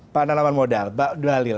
pak nalaman modal pak dwalil